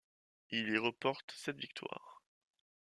Il y remporte sept victoires.